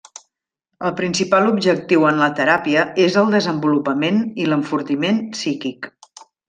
El principal objectiu en la teràpia és el desenvolupament i l'enfortiment psíquic.